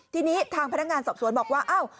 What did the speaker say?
ทีนี้ทางพนักงานสอบสวนบอกว่าอ้าว